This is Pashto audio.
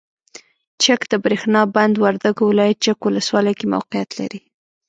چک دبریښنا بند وردګو ولایت چک ولسوالۍ کې موقعیت لري.